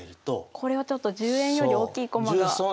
これはちょっと１０円より大きい駒が。